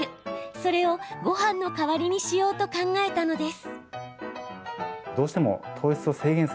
それを、ごはんの代わりにしようと考えたのです。